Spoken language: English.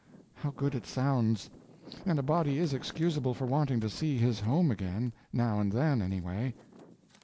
_ how good it sounds! and a body is excusable for wanting to see his home again, now and then, anyway."